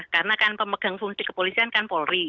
karena kan pemegang fungsi kepolisian kan polri